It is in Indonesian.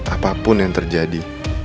apapun yang terjadi